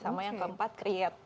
sama yang keempat create